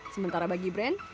sementara bagi brand